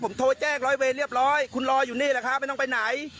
ผมโทรแจ้งร้อยเวรเรียบร้อยคุณรออยู่นี่แหละครับไม่ต้องไปไหน